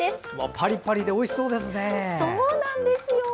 パリパリでおいしそうですね。